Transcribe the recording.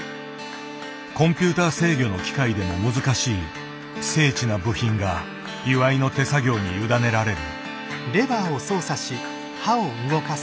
コンピューター制御の機械でも難しい精緻な部品が岩井の手作業に委ねられる。